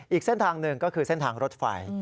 อีกเส้นทางหนึ่งก็คือเส้นทางรถไฟ